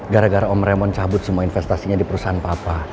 gara gara om remon cabut semua investasinya di perusahaan papa